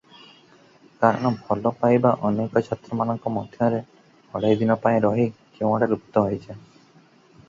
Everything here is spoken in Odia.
କାରଣ ଭଲପାଇବା ଅନେକ ଛାତ୍ରମାନଙ୍କ ମଧ୍ୟରେ ଅଢ଼େଇଦିନ ପାଇଁ ରହି କେଉଁଆଡ଼େ ଲୁପ୍ତ ହୋଇଯାଏ ।